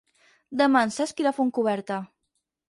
Demà en Cesc irà a Fontcoberta.